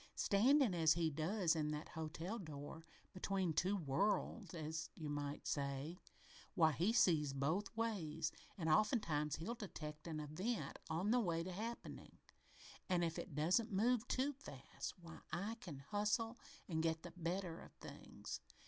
"Standing as he does, in that hotel door between two worlds, as you might say why, he sees both ways, and oftentimes he'll detect an event on the way to happening, an' if it don't move too fast, why, I can hustle an' get the better of things."